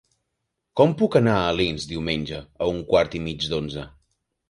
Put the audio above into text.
Com puc anar a Alins diumenge a un quart i mig d'onze?